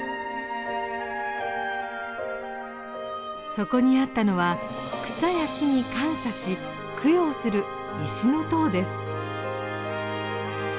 そこにあったのは草や木に感謝し供養する石の塔です。